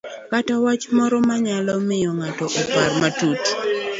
kata wach moro manyalo miyo ng'ato opar matut